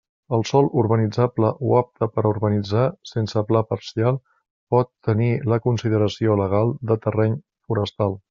El sòl urbanitzable o apte per a urbanitzar sense pla parcial pot tenir la consideració legal de terreny forestal.